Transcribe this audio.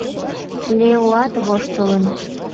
Леоат воштылын.